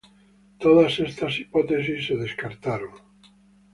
Todas estas hipótesis se descartaron.